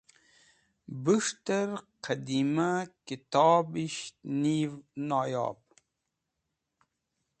Bus̃htẽr qẽdimẽ kitobisht niv noyob.